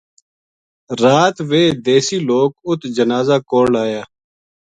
رات ویہ دیسی لوک اُت جنازہ کول آیا